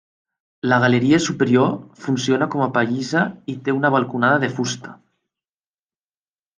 La galeria superior funciona com a pallissa i té una balconada de fusta.